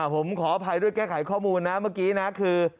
ผมขออภัยด้วยแก้ไขข้อมูลนะเมื่อกี้นะคือ